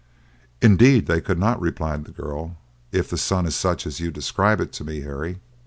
"Indeed they could not," replied the girl; "if the sun is such as you describe it to me, Harry."